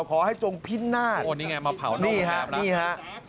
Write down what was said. ขอให้จงพิ้นหน้าโอ้นี่ไงมาเผานี่ฮะนี่ฮะ